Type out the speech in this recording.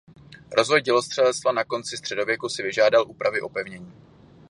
Rozvoj dělostřelectva na konci středověku si vyžádal úpravy opevnění.